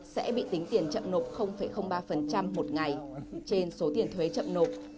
sẽ bị tính tiền chậm nộp ba một ngày trên số tiền thuế chậm nộp